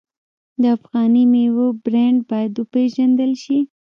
د افغاني میوو برنډ باید وپیژندل شي.